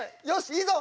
いいぞ！